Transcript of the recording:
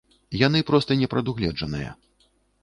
Яны проста не прадугледжаныя.